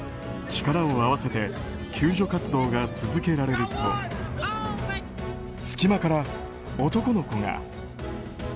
力を合わせて救助活動が続けられると隙間から男の子が。